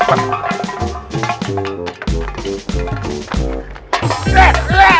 aku tau sendiri